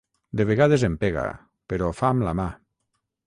De vegades em pega, però ho fa amb la mà.